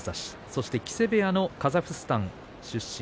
そして木瀬部屋のカザフスタン出身